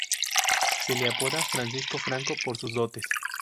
Se le apoda Francisco Franco por sus dotes.